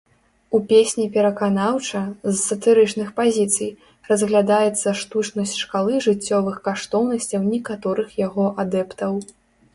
У песні пераканаўча, з сатырычных пазіцый, разглядаецца штучнасць шкалы жыццёвых каштоўнасцяў некаторых яго адэптаў.